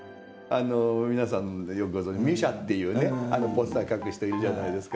皆さんよくご存じミュシャっていうねあのポスター描く人いるじゃないですか。